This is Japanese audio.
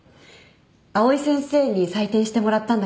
藍井先生に採点してもらったんだけど。